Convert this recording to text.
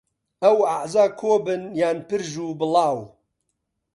ئەو ئەعزا کۆبن یا پرژ و بڵاو